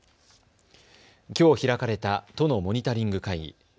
きょう開かれた都のモニタリング会議。